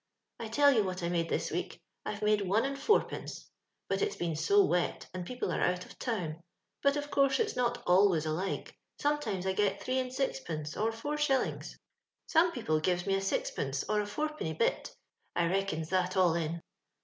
I tell you what I made this week. I've made one and fourpence, but it's been so wet, and people are out of town ; but, of course, it's not always ahke — sometimes I get thrce and six pence or four shillings. Some people gives me a sixpence or a fourpenny bit ; 1 reckons that all in.